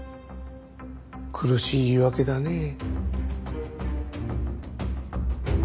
苦しい言い訳だねえ。